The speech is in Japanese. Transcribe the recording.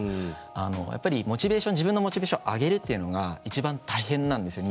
あのやっぱりモチベーション自分のモチベーション上げるっていうのが一番大変なんですよ